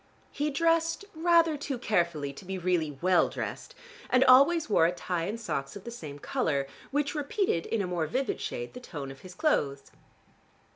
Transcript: He dressed rather too carefully to be really well dressed and always wore a tie and socks of the same color, which repeated in a more vivid shade the tone of his clothes.